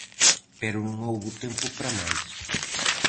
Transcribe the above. Pero non houbo tempo para máis.